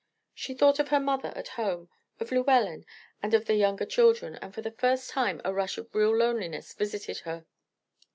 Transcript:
She thought of her mother at home, of Llewellyn, and of the younger children; and for the first time a rush of real loneliness visited her.